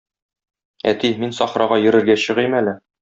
Әти, мин сахрага йөрергә чыгыйм әле.